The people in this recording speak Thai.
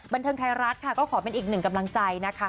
บันเทิงไทยรัฐค่ะก็ขอเป็นอีกหนึ่งกำลังใจนะคะ